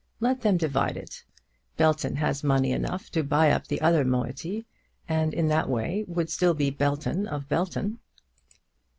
Let them divide it. Belton has money enough to buy up the other moiety, and in that way would still be Belton of Belton."